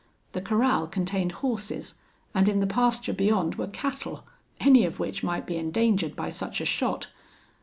The corral contained horses, and in the pasture beyond were cattle, any of which might be endangered by such a shot.